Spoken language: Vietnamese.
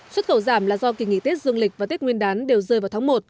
xuất khẩu giảm là do kỳ nghỉ tết dương lịch và tết nguyên đán đều rơi vào tháng một